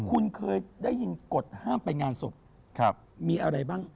คุณเคยได้ยินกฎห้ามไปงานศพมีอะไรบ้าง